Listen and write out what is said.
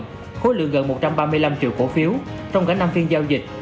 các quỹ lớn đã mua rồng đến một triệu cổ phiếu trong cả năm phiên giao dịch